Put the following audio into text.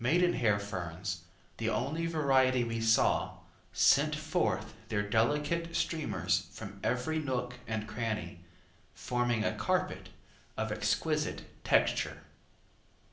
Maidenhair ferns, the only variety we saw, sent forth their delicate streamers from every nook and cranny, forming a carpet of exquisite texture.